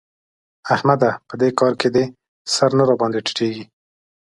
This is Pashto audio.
احمده! په دې کار کې دي سر نه راباندې ټيټېږي.